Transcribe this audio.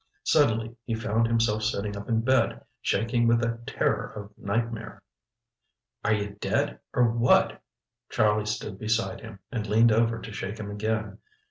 Suddenly he found himself sitting up in bed, shaking with the terror of nightmare. "Are you dead—or what?" Charlie stood beside him, and leaned over to shake him again.